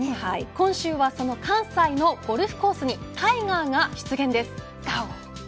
今週はその関西のゴルフコースにタイガーががお。